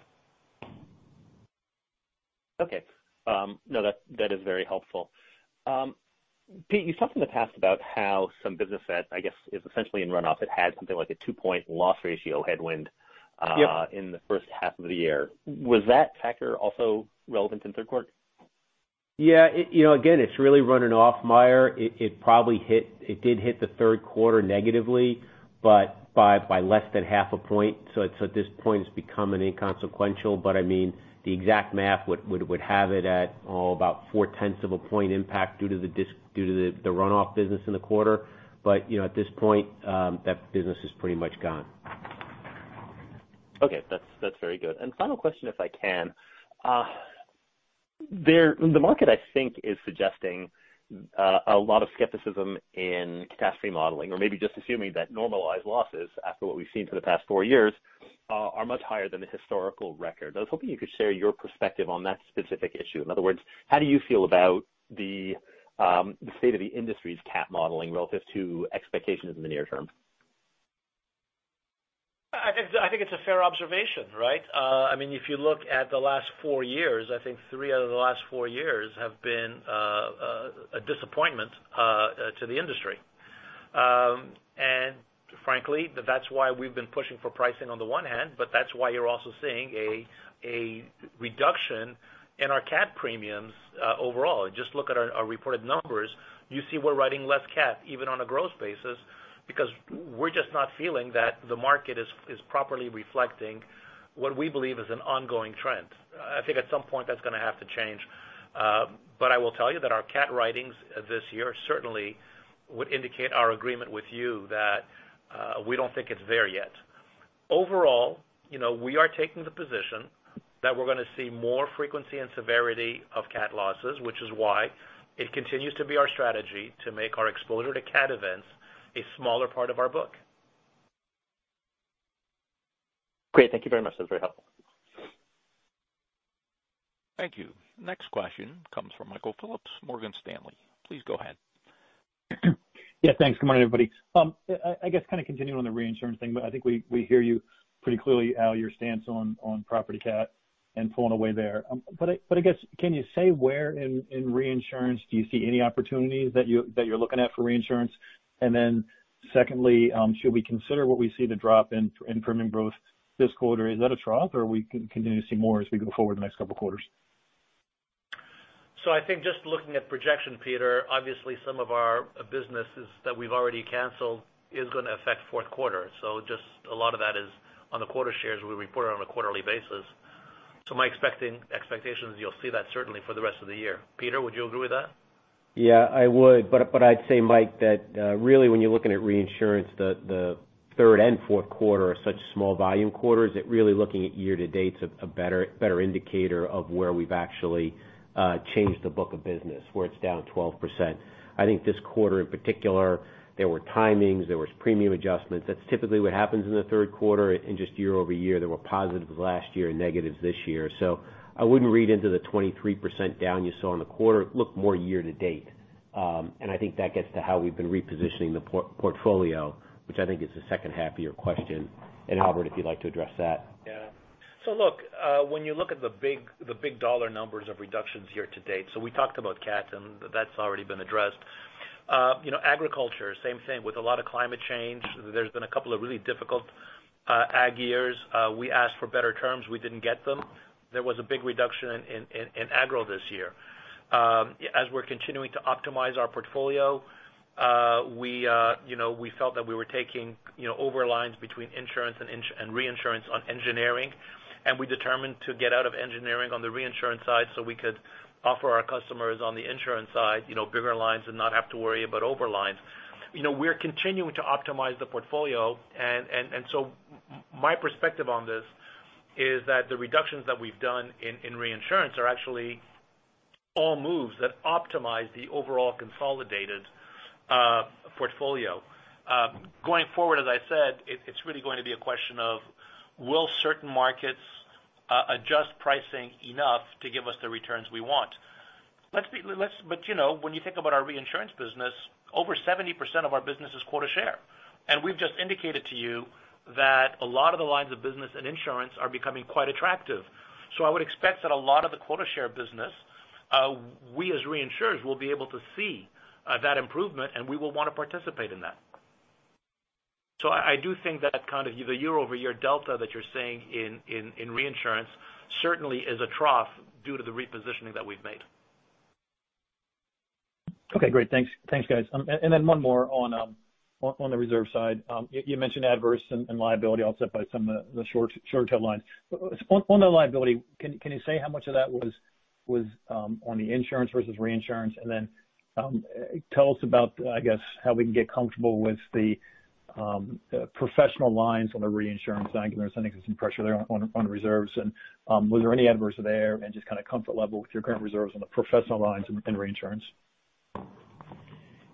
Okay. No, that is very helpful. Pete, you talked in the past about how some business that, I guess, is essentially in runoff, it had something like a two-point loss ratio headwind- Yep in the first half of the year. Was that factor also relevant in the third quarter? Yeah. Again, it's really running off, Meyer. It did hit the third quarter negatively, but by less than half a point. At this point, it's become inconsequential. The exact math would have it at about four-tenths of a point impact due to the runoff business in the quarter. At this point, that business is pretty much gone. Okay. That's very good. Final question, if I can. The market, I think, is suggesting a lot of skepticism in cat modeling, or maybe just assuming that normalized losses, after what we've seen for the past four years, are much higher than the historical record. I was hoping you could share your perspective on that specific issue. In other words, how do you feel about the state of the industry's cat modeling relative to expectations in the near term? I think it's a fair observation, right? If you look at the last four years, I think three out of the last four years have been a disappointment to the industry. Frankly, that's why we've been pushing for pricing on the one hand, that's why you're also seeing a reduction in our cat premiums overall. Just look at our reported numbers. You see we're writing less cat, even on a growth basis, because we're just not feeling that the market is properly reflecting what we believe is an ongoing trend. I think at some point that's going to have to change. I will tell you that our cat writings this year certainly would indicate our agreement with you that we don't think it's there yet. Overall, we are taking the position that we're going to see more frequency and severity of cat losses, which is why it continues to be our strategy to make our exposure to cat events a smaller part of our book. Great. Thank you very much. That was very helpful. Thank you. Next question comes from Michael Phillips, Morgan Stanley. Please go ahead. Yeah, thanks. Good morning, everybody. I guess kind of continuing on the reinsurance thing, I think we hear you pretty clearly, Al, your stance on property cat and pulling away there. I guess, can you say where in reinsurance do you see any opportunities that you're looking at for reinsurance? Secondly, should we consider what we see the drop in premium growth this quarter? Is that a trough or we can continue to see more as we go forward in the next couple of quarters? I think just looking at projections, Pete, obviously some of our businesses that we've already canceled is going to affect fourth quarter. Just a lot of that is on the quota shares we report on a quarterly basis. My expectations, you'll see that certainly for the rest of the year. Pete, would you agree with that? I would, I'd say Mike, that really when you're looking at reinsurance, the third and fourth quarter are such small volume quarters that really looking at year-to-date's a better indicator of where we've actually changed the book of business, where it's down 12%. I think this quarter in particular, there were timings, there was premium adjustments. That's typically what happens in the third quarter in just year-over-year. There were positives last year and negatives this year. I wouldn't read into the 23% down you saw in the quarter. Look more year-to-date. I think that gets to how we've been repositioning the portfolio, which I think is the second half of your question. Albert, if you'd like to address that. Look, when you look at the big dollar numbers of reductions year-to-date. We talked about cats, and that's already been addressed. Agriculture, same thing. With a lot of climate change, there's been a couple of really difficult ag years. We asked for better terms, we didn't get them. There was a big reduction in agro this year. As we're continuing to optimize our portfolio, we felt that we were taking over lines between insurance and reinsurance on engineering, and we determined to get out of engineering on the reinsurance side so we could offer our customers on the insurance side bigger lines and not have to worry about over lines. We're continuing to optimize the portfolio. My perspective on this is that the reductions that we've done in reinsurance are actually all moves that optimize the overall consolidated portfolio. Going forward, as I said, it's really going to be a question of will certain markets adjust pricing enough to give us the returns we want. When you think about our reinsurance business, over 70% of our business is quota share. We've just indicated to you that a lot of the lines of business and insurance are becoming quite attractive. I would expect that a lot of the quota share business, we, as reinsurers, will be able to see that improvement, and we will want to participate in that. I do think that kind of the year-over-year delta that you're seeing in reinsurance certainly is a trough due to the repositioning that we've made. Okay, great. Thanks, guys. One more on the reserve side. You mentioned adverse and liability offset by some of the short-tail lines. On the liability, can you say how much of that was on the insurance versus reinsurance? Tell us about, I guess, how we can get comfortable with the professional lines on the reinsurance side. I think there's some pressure there on reserves. Was there any adverse there? Just kind of comfort level with your current reserves on the professional lines in reinsurance.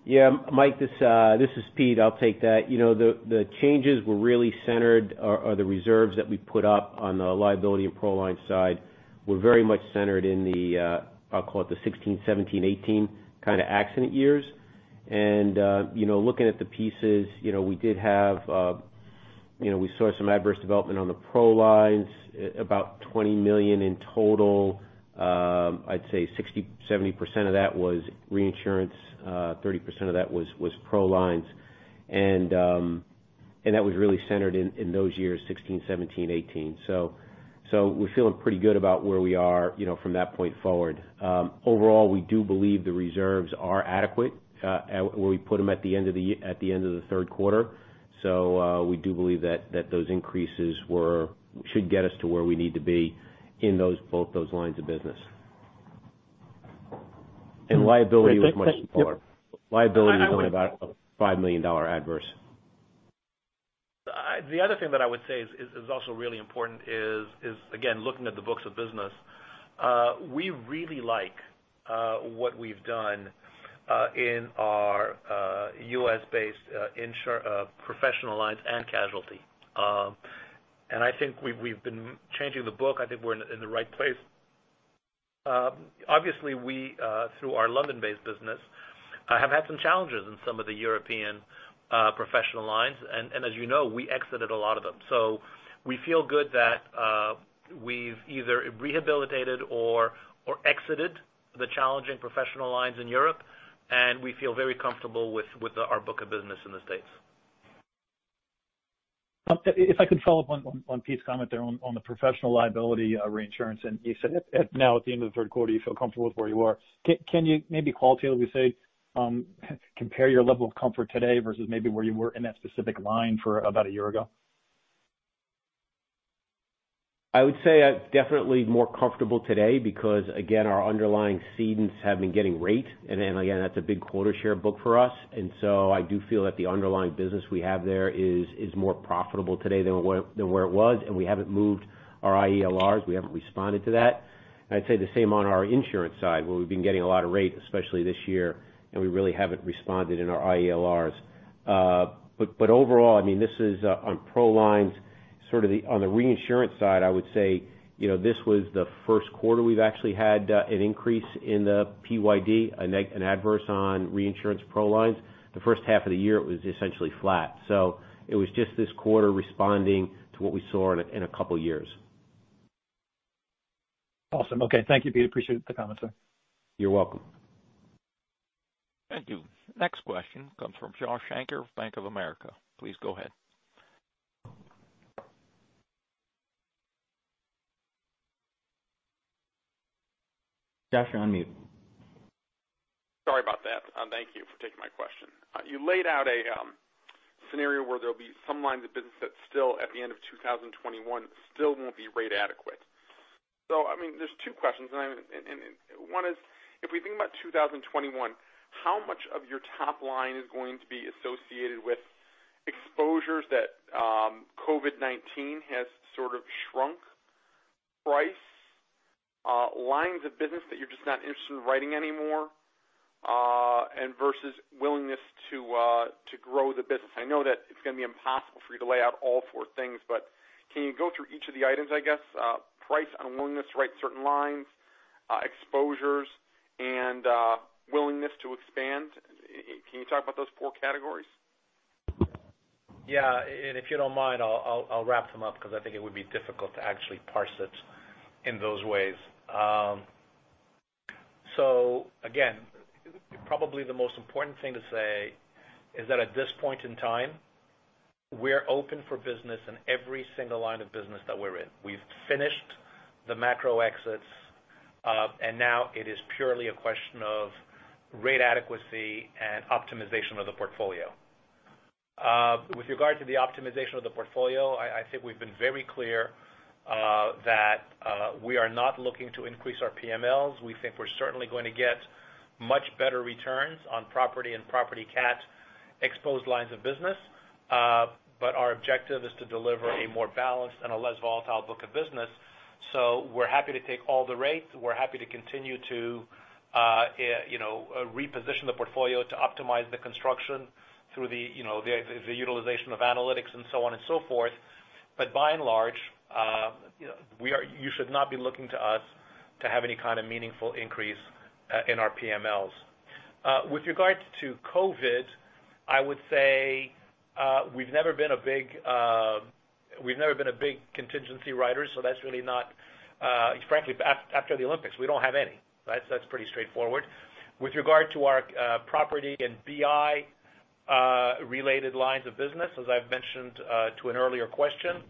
Yeah, Mike, this is Pete. I'll take that. The changes were really centered or the reserves that we put up on the liability and pro lines side were very much centered in the, I'll call it the 2016, 2017, 2018 kind of accident years. Looking at the pieces, we saw some adverse development on the pro lines, about $20 million in total. I'd say 60%-70% of that was reinsurance, 30% of that was pro lines. That was really centered in those years, 2016, 2017, 2018. We're feeling pretty good about where we are from that point forward. Overall, we do believe the reserves are adequate, where we put them at the end of the third quarter. We do believe that those increases should get us to where we need to be in both those lines of business. Liability was much lower. Liability was only about a $5 million adverse. The other thing that I would say is also really important is, again, looking at the books of business. We really like what we've done in our U.S.-based professional lines and casualty. I think we've been changing the book. I think we're in the right place. Obviously, we, through our London-based business, have had some challenges in some of the European professional lines. As you know, we exited a lot of them. We feel good that we've either rehabilitated or exited the challenging professional lines in Europe, and we feel very comfortable with our book of business in the States. If I could follow up on Pete's comment there on the professional liability reinsurance, you said now at the end of the third quarter, you feel comfortable with where you are. Can you maybe qualitatively say, compare your level of comfort today versus maybe where you were in that specific line for about one year ago? I would say definitely more comfortable today because, again, our underlying cedents have been getting rate. Again, that's a big quota share book for us. I do feel that the underlying business we have there is more profitable today than where it was. We haven't moved our IELRs. We haven't responded to that. I'd say the same on our insurance side, where we've been getting a lot of rate, especially this year, and we really haven't responded in our IELRs. Overall, on pro lines, on the reinsurance side, I would say, this was the first quarter we've actually had an increase in the PYD, an adverse on reinsurance pro lines. The first half of the year, it was essentially flat. It was just this quarter responding to what we saw in two years. Awesome. Okay. Thank you, Pete. Appreciate the comment, sir. You're welcome. Thank you. Next question comes from Josh Shanker of Bank of America. Please go ahead. Josh, you're on mute. Sorry about that. Thank you for taking my question. You laid out a scenario where there'll be some lines of business that still at the end of 2021 still won't be rate adequate. There's two questions. One is, if we think about 2021, how much of your top line is going to be associated with exposures that COVID-19 has sort of shrunk, price, lines of business that you're just not interested in writing anymore, and versus willingness to grow the business? I know that it's going to be impossible for you to lay out all four things, can you go through each of the items, I guess, price, unwillingness to write certain lines, exposures, and willingness to expand? Can you talk about those four categories? Yeah. If you don't mind, I'll wrap them up because I think it would be difficult to actually parse it in those ways. Again, probably the most important thing to say is that at this point in time, we're open for business in every single line of business that we're in. We've finished the macro exits, now it is purely a question of rate adequacy and optimization of the portfolio. With regard to the optimization of the portfolio, I think we've been very clear that we are not looking to increase our PMLs. We think we're certainly going to get much better returns on property and property cat exposed lines of business. Our objective is to deliver a more balanced and a less volatile book of business. We're happy to take all the rates. We're happy to continue to reposition the portfolio to optimize the construction through the utilization of analytics and so on and so forth. By and large, you should not be looking to us to have any kind of meaningful increase in our PMLs. With regards to COVID, I would say we've never been a big contingency writer, so that's really not frankly, after the Olympics, we don't have any. That's pretty straightforward. With regard to our property and BI related lines of business, as I've mentioned to an earlier question,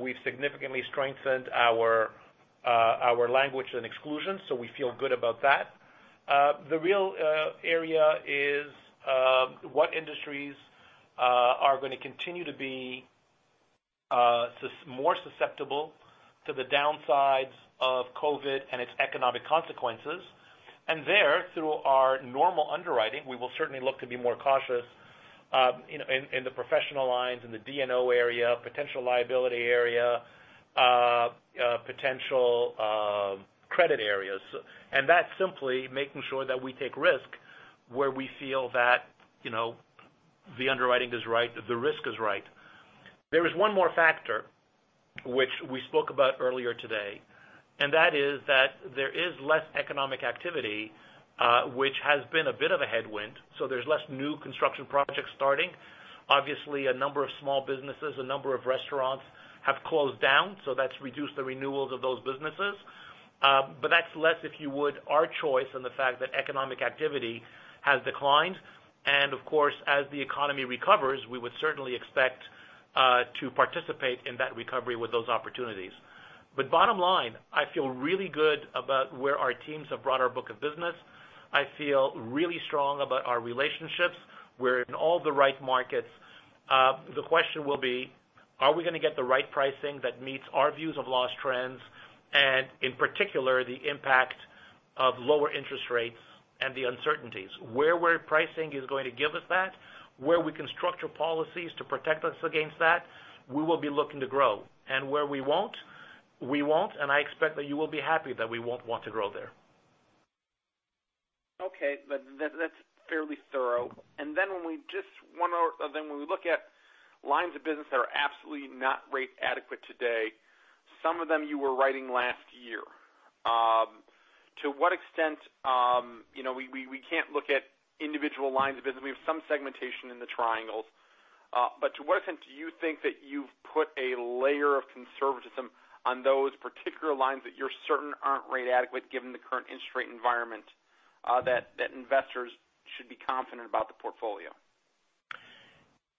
we've significantly strengthened our language and exclusions, so we feel good about that. The real area is what industries are going to continue to be more susceptible to the downsides of COVID and its economic consequences. There, through our normal underwriting, we will certainly look to be more cautious in the professional lines, in the D&O area, potential liability area, potential credit areas. That's simply making sure that we take risk where we feel that the underwriting is right, the risk is right. There is one more factor which we spoke about earlier today, that is that there is less economic activity, which has been a bit of a headwind. There's less new construction projects starting. Obviously, a number of small businesses, a number of restaurants have closed down, so that's reduced the renewals of those businesses. That's less, if you would, our choice in the fact that economic activity has declined. Of course, as the economy recovers, we would certainly expect to participate in that recovery with those opportunities. Bottom line, I feel really good about where our teams have brought our book of business. I feel really strong about our relationships. We're in all the right markets. The question will be: are we going to get the right pricing that meets our views of loss trends and in particular, the impact of lower interest rates and the uncertainties? Where we're pricing is going to give us that, where we can structure policies to protect us against that, we will be looking to grow. Where we won't, we won't, and I expect that you will be happy that we won't want to grow there. Okay. That's fairly thorough. Then when we look at lines of business that are absolutely not rate adequate today, some of them you were writing last year. We can't look at individual lines of business. We have some segmentation in the triangles. To what extent do you think that you've put a layer of conservatism on those particular lines that you're certain aren't rate adequate given the current interest rate environment, that investors should be confident about the portfolio?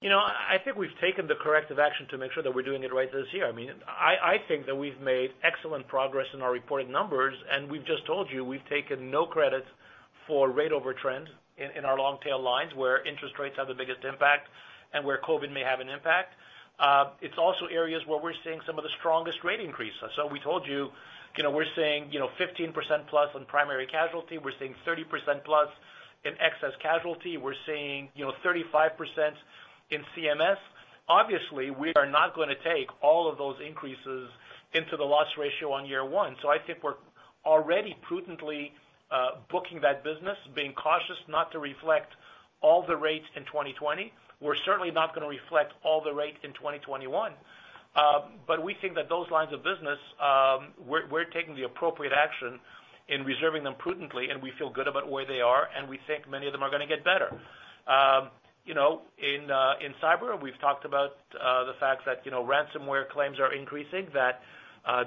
I think we've taken the corrective action to make sure that we're doing it right this year. I think that we've made excellent progress in our reported numbers, and we've just told you we've taken no credits for rate over trend in our long-tail lines where interest rates have the biggest impact and where COVID may have an impact. It's also areas where we're seeing some of the strongest rate increases. We told you, we're seeing 15% plus on primary casualty. We're seeing 30% plus in excess casualty. We're seeing 35% in CMS. Obviously, we are not going to take all of those increases into the loss ratio on year one. I think we're already prudently booking that business, being cautious not to reflect all the rates in 2020. We're certainly not going to reflect all the rates in 2021. We think that those lines of business, we're taking the appropriate action in reserving them prudently, and we feel good about where they are, and we think many of them are going to get better. In cyber, we've talked about the fact that ransomware claims are increasing, that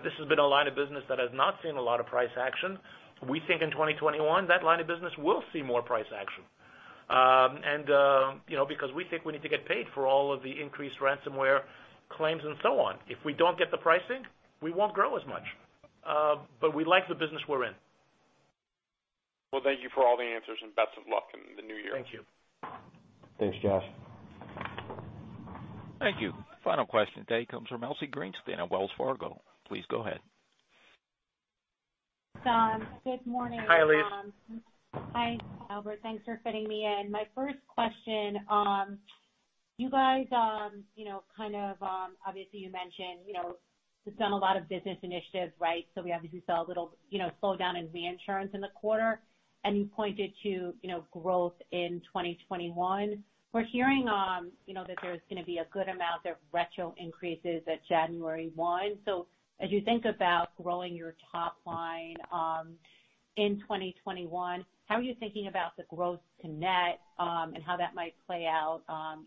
this has been a line of business that has not seen a lot of price action. We think in 2021, that line of business will see more price action. We think we need to get paid for all of the increased ransomware claims and so on. If we don't get the pricing, we won't grow as much. We like the business we're in. Well, thank you for all the answers and best of luck in the new year. Thank you. Thanks, Josh. Thank you. Final question today comes from Elyse Greenspan at Wells Fargo. Please go ahead. Good morning. Hi, Elyse. Hi, Albert. Thanks for fitting me in. My first question. You mentioned it's done a lot of business initiatives. We obviously saw a little slowdown in reinsurance in the quarter, and you pointed to growth in 2021. We're hearing that there's going to be a good amount of retro increases at January 1. As you think about growing your top line in 2021, how are you thinking about the growth to net, and how that might play out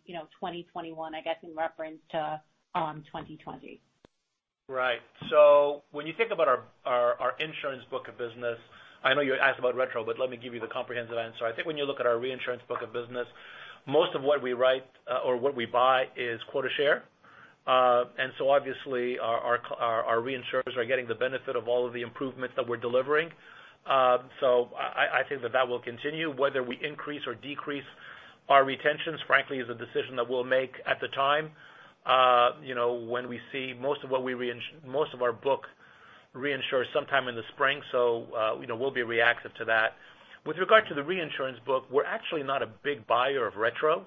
2021, I guess, in reference to 2020? Right. When you think about our insurance book of business, I know you asked about retro, let me give you the comprehensive answer. I think when you look at our reinsurance book of business, most of what we write, or what we buy, is quota share. Obviously our reinsurers are getting the benefit of all of the improvements that we're delivering. I think that that will continue. Whether we increase or decrease our retentions, frankly, is a decision that we'll make at the time. When we see most of our book reinsure sometime in the spring, we'll be reactive to that. With regard to the reinsurance book, we're actually not a big buyer of retro.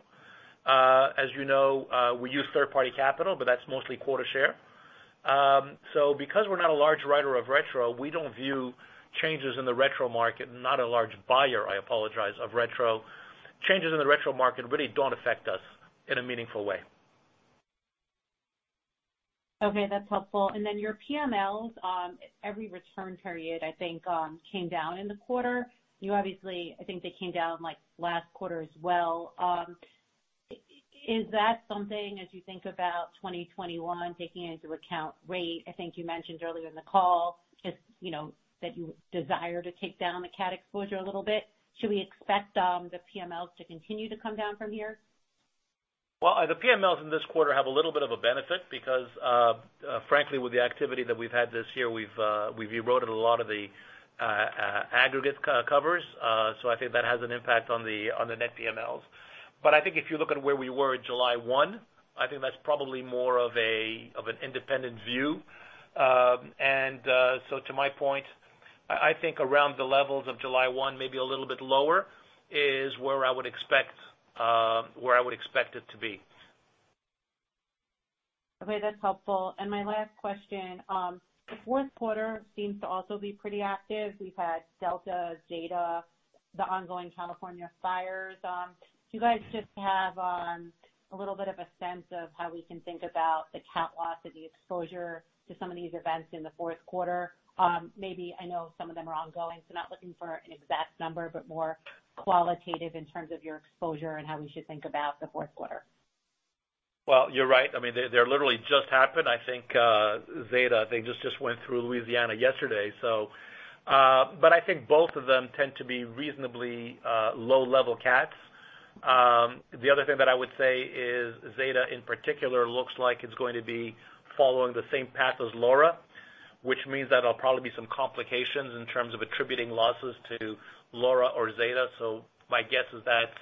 As you know, we use third-party capital, but that's mostly quota share. Because we're not a large writer of retro, we don't view changes in the retro market, not a large buyer, I apologize, of retro. Changes in the retro market really don't affect us in a meaningful way. Okay, that's helpful. Your PMLs, every return period I think came down in the quarter. I think they came down last quarter as well. Is that something as you think about 2021, taking into account rate, I think you mentioned earlier in the call that you desire to take down the cat exposure a little bit. Should we expect the PMLs to continue to come down from here? The PMLs in this quarter have a little bit of a benefit because, frankly with the activity that we've had this year, we've eroded a lot of the aggregate covers. I think that has an impact on the net PMLs. I think if you look at where we were at July 1, I think that's probably more of an independent view. To my point, I think around the levels of July 1, maybe a little bit lower, is where I would expect it to be. Okay, that's helpful. My last question, the fourth quarter seems to also be pretty active. We've had Hurricane Delta, Hurricane Zeta, the ongoing California fires. Do you guys just have a little bit of a sense of how we can think about the cat loss and the exposure to some of these events in the fourth quarter? Maybe, I know some of them are ongoing, not looking for an exact number, but more qualitative in terms of your exposure and how we should think about the fourth quarter. You're right. They literally just happened, I think Hurricane Zeta, they just went through Louisiana yesterday. I think both of them tend to be reasonably low-level cats. The other thing that I would say is Hurricane Zeta in particular looks like it's going to be following the same path as Hurricane Laura, which means that there'll probably be some complications in terms of attributing losses to Hurricane Laura or Hurricane Zeta. My guess is that's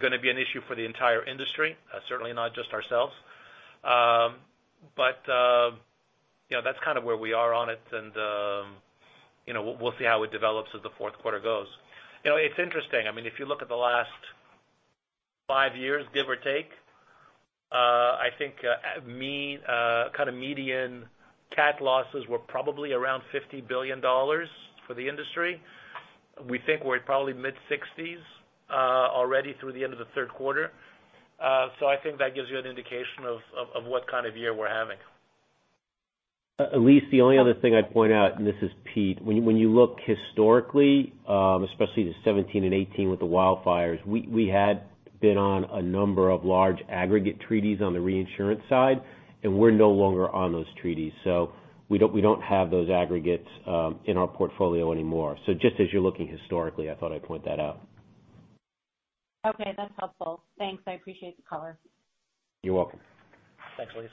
going to be an issue for the entire industry, certainly not just ourselves. That's kind of where we are on it and we'll see how it develops as the fourth quarter goes. It's interesting, if you look at the last five years, give or take, I think kind of median cat losses were probably around $50 billion for the industry. We think we're at probably mid-60s already through the end of the third quarter. I think that gives you an indication of what kind of year we're having. Elyse, the only other thing I'd point out, this is Pete, when you look historically, especially to 2017 and 2018 with the wildfires, we had been on a number of large aggregate treaties on the reinsurance side, we're no longer on those treaties. We don't have those aggregates in our portfolio anymore. Just as you're looking historically, I thought I'd point that out. Okay, that's helpful. Thanks. I appreciate the color. You're welcome. Thanks, Elyse.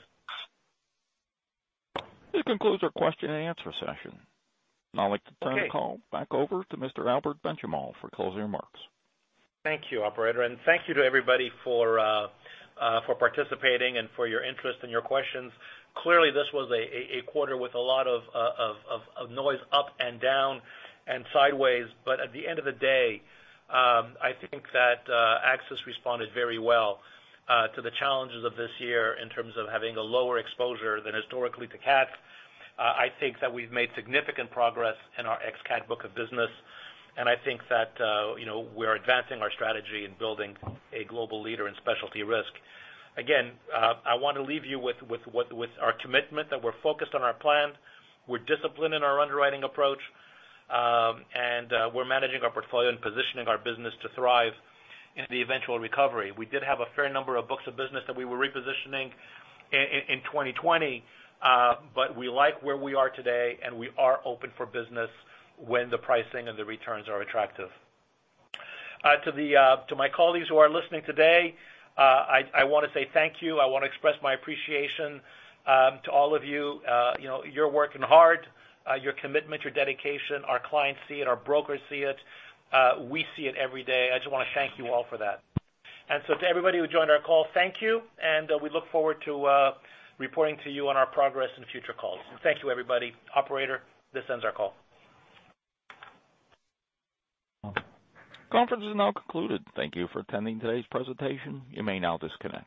This concludes our question and answer session. I'd like to turn the call back over to Mr. Albert Benchimol for closing remarks. Thank you, operator, and thank you to everybody for participating and for your interest and your questions. Clearly this was a quarter with a lot of noise up and down and sideways, at the end of the day, I think that AXIS responded very well to the challenges of this year in terms of having a lower exposure than historically to cats. I think that we've made significant progress in our ex-cat book of business, I think that we're advancing our strategy in building a global leader in specialty risk. I want to leave you with our commitment that we're focused on our plan, we're disciplined in our underwriting approach, and we're managing our portfolio and positioning our business to thrive in the eventual recovery. We did have a fair number of books of business that we were repositioning in 2020, we like where we are today, and we are open for business when the pricing and the returns are attractive. To my colleagues who are listening today, I want to say thank you. I want to express my appreciation to all of you. You're working hard. Your commitment, your dedication, our clients see it, our brokers see it. We see it every day, and I just want to thank you all for that. To everybody who joined our call, thank you, and we look forward to reporting to you on our progress in future calls. Thank you, everybody. Operator, this ends our call. Conference is now concluded. Thank you for attending today's presentation. You may now disconnect.